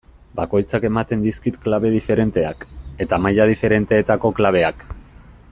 Bakoitzak ematen dizkit klabe diferenteak, eta maila diferentetako klabeak.